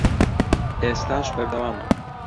ئێستاش بەردەوامە